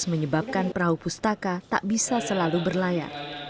menyebabkan perahu pustaka tak bisa selalu berlayar